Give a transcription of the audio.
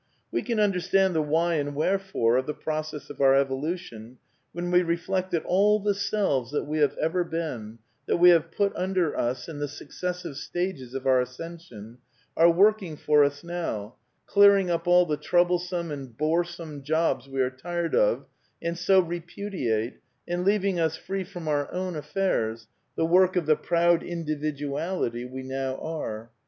We can understand the why and wherefore of the process of our evolution when we reflect that all the selves that we have ever been, that we have put under us in the successive stages of our ascension, are working for us now, clearing up all the troublesome and boresome jobs we are tired of and so repudiate, and leaving us free for our ovm affairs, the work of the proud individuality we now are.